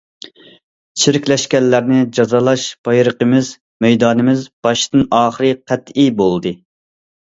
چىرىكلەشكەنلەرنى جازالاش بايرىقىمىز، مەيدانىمىز باشتىن- ئاخىر قەتئىي بولدى.